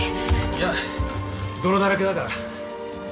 いや泥だらけだから。